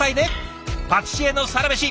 パティシエのサラメシ